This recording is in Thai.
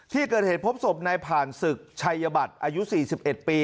ที่เกิดเหตุพบสมในผ่านศึกชัยบัตรอายุสี่สิบเอ็ดปี